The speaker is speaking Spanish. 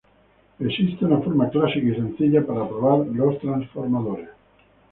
Existe una forma clásica y sencilla para probar transformadores.